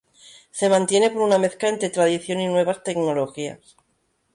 Se mantiene por una mezcla entre tradición y nuevas tecnologías.